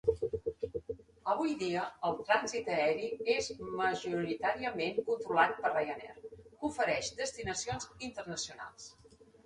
Avui dia, el trànsit aeri és majoritàriament controlat per Ryanair, que ofereix destinacions internacionals.